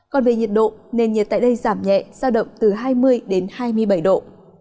còn về nhiệt độ nền nhiệt tại đây giảm nhẹ giao động từ hai mươi đến hai mươi bảy độ